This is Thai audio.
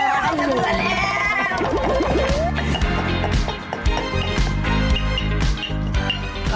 โอ้โฮสะเกลือแล้ว